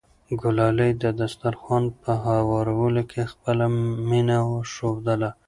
ګلالۍ د دسترخوان په هوارولو کې خپله مینه ښودله.